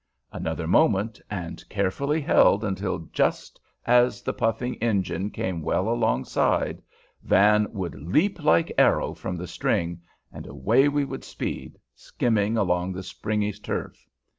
Another moment, and, carefully held until just as the puffing engine came well alongside, Van would leap like arrow from the string, and away we would speed, skimming along the springy turf.